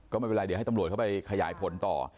ก็ไม่เป็นไรเดี๋ยวให้ตำรวจเข้าไปขยายผลต่อ